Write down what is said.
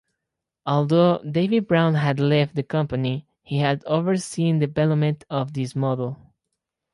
Although David Brown had left the company, he had overseen development of this model.